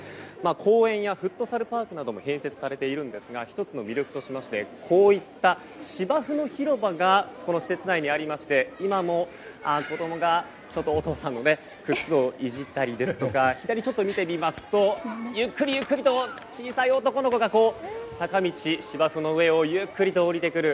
公園やフットサルパークなども併設されていますが１つの魅力としましてこういった芝生の広場が施設内にありまして今も子供がお父さんの靴をいじったりですとか左を見てみますとゆっくりゆっくりと小さい男の子が、坂道芝生の上をゆっくりと下りてくる。